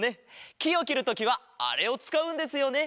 きをきるときはあれをつかうんですよね。